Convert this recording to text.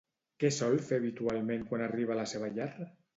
Què sol fer habitualment quan arriba a la seva llar?